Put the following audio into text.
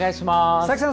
佐々木さん